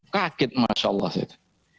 kaget masya allah